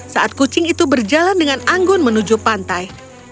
saat kucing itu berjalan dengan anggun menuju pantai